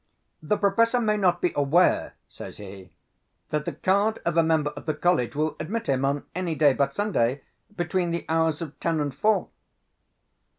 "The Professor may not be aware," says he, "that the card of a member of the College will admit him, on any day but Sunday, between the hours of ten and four."